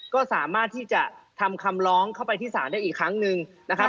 ก็สามารถที่จะทำคำร้องเข้าไปที่ศาลได้อีกครั้งหนึ่งนะครับ